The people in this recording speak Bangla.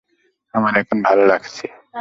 আমার এখন ভালো লাগছে।